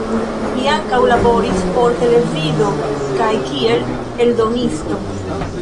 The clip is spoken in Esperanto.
Li ankaŭ laboris por televido kaj kiel eldonisto.